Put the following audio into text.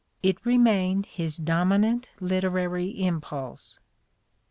It remained his dominant literary im pulse.